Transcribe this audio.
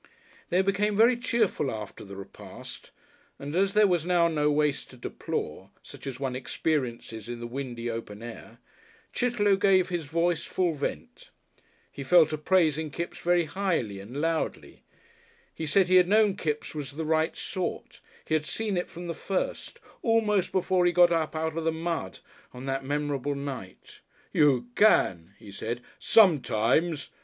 They became very cheerful after the repast, and as there was now no waste to deplore, such as one experiences in the windy, open air, Chitterlow gave his voice full vent. He fell to praising Kipps very highly and loudly. He said he had known Kipps was the right sort, he had seen it from the first, almost before he got up out of the mud on that memorable night. "You can," he said, "sometimes.